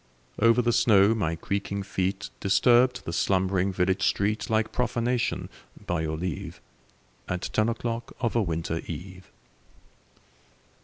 Over the snow my creaking feet Disturbed the slumbering village street Like profanation, by your leave, At ten o'clock of a winter eve.